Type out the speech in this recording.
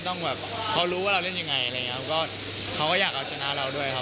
ต้องแบบเขารู้ว่าเราเล่นยังไงอะไรอย่างเงี้ยก็เขาก็อยากเอาชนะเราด้วยครับ